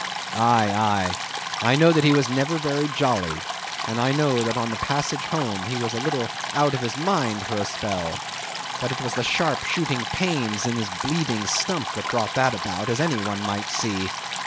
Aye, aye, I know that he was never very jolly; and I know that on the passage home, he was a little out of his mind for a spell; but it was the sharp shooting pains in his bleeding stump that brought that about, as any one might see.